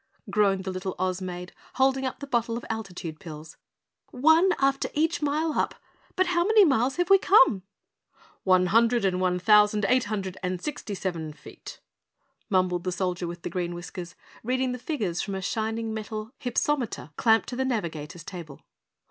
groaned the little Oz Maid, holding up the bottle of altitude pills. "'One, after each mile up,' but how many miles have we come?" "One hundred and one thousand, eight hundred and sixty seven feet!" mumbled the Soldier with Green Whiskers, reading the figures from a shining metal hypsometer clamped to the navigator's table.